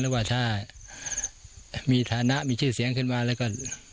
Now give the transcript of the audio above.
ว่าถ้ามีฐานะมีชื่อเสียงขึ้นมาแล้วก็